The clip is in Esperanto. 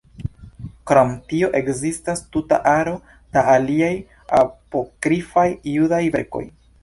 Krom tio ekzistas tuta aro da aliaj Apokrifaj Judaj verkoj.